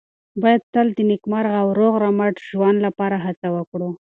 باید تل د نېکمرغه او روغ رمټ ژوند لپاره هڅه وکړو.